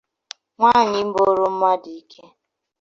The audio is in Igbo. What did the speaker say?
nwaanyị ịbọrọ mmadụ ikè